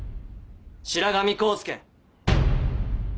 白神黄介！